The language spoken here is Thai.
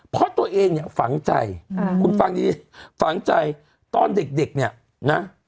เพราะตัวเองเนี่ยฝังใจคุณฟังดีฝังใจตอนเด็กเนี่ยนะ